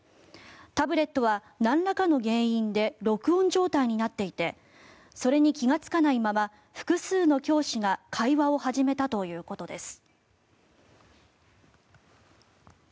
タブレットはなんらかの原因で録音状態になっていてそれに気がつかないまま複数の教師が会話を始めたということです。